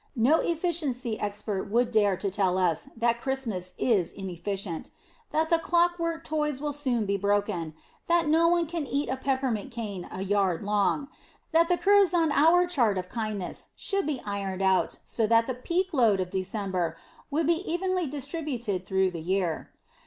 No efficiency expert would dare tell us that Christmas is inefficient; that the clockwork toys will soon be broken; that no one can eat a peppermint cane a yard long; that the curves on our chart of kindness should be ironed out so that the "peak load" of December would be evenly distributed through the year.